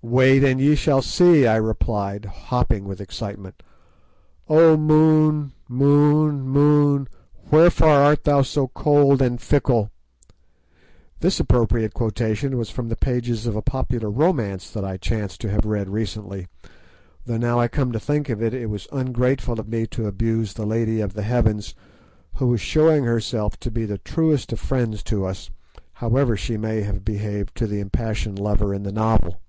"Wait, and ye shall see," I replied, hopping with excitement. "O Moon! Moon! Moon! wherefore art thou so cold and fickle?" This appropriate quotation was from the pages of a popular romance that I chanced to have read recently, though now I come to think of it, it was ungrateful of me to abuse the Lady of the Heavens, who was showing herself to be the truest of friends to us, however she may have behaved to the impassioned lover in the novel.